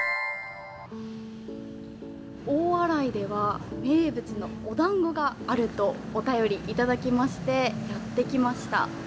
大洗では名物のおだんごがあるとお便りいただいてやってきました。